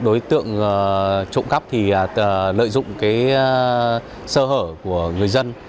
đối tượng trộm cắp thì lợi dụng cái sơ hở của người dân